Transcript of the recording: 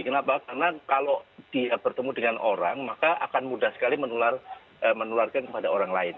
kenapa karena kalau dia bertemu dengan orang maka akan mudah sekali menularkan kepada orang lain